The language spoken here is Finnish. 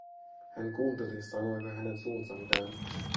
Hän kuunteli, sanoiko hänen suunsa mitään.